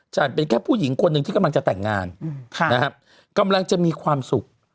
เป็นแค่ผู้หญิงคนหนึ่งที่กำลังจะแต่งงานนะครับกำลังจะมีความสุข